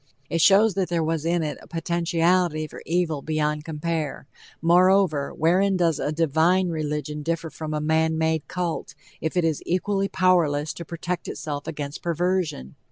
It shows that there was in it a potentiality for evil beyond compare. Moreover, wherein does a "divine" religion differ from a man made cult, if it is equally powerless to protect itself against perversion?